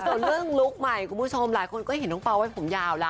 ส่วนเรื่องลุคใหม่ก็เห็นต้องเฝ้าวอยว่าผมยาวละ